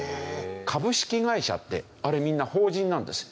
株式会社ってあれみんな法人なんですよ。